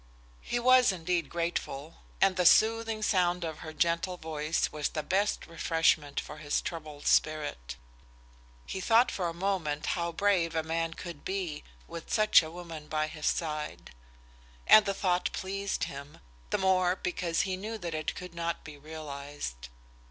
He was indeed grateful, and the soothing sound of her gentle voice was the best refreshment for his troubled spirit. He thought for a moment how brave a man could be with such a woman by his side; and the thought pleased him, the more because he knew that it could not be realized.